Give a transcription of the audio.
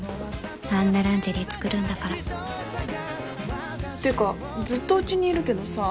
あんなランジェリー作るんだからってかずっとうちにいるけどさ